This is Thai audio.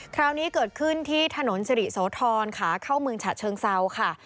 คราวนี้เกิดขึ้นที่ถนนสิริโสธรขาเข้าเมืองฉะเชิงเซาค่ะ